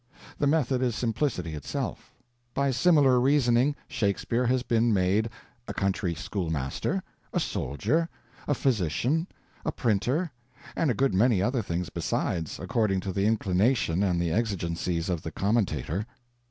The method is simplicity itself. By similar reasoning Shakespeare has been made a country schoolmaster, a soldier, a physician, a printer, and a good many other things besides, according to the inclination and the exigencies of the commentator.